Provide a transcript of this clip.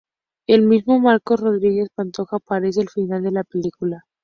El mismo Marcos Rodríguez Pantoja aparece al final de la película.